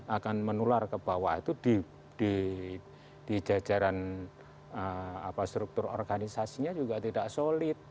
akan menular ke bawah itu di jajaran struktur organisasinya juga tidak solid